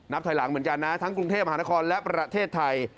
ถอยหลังเหมือนกันนะทั้งกรุงเทพมหานครและประเทศไทย